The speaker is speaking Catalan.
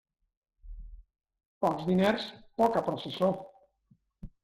Pocs diners, poca processó.